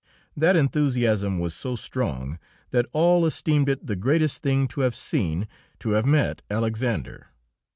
That enthusiasm was so strong that all esteemed it the greatest thing to have seen, to have met Alexander.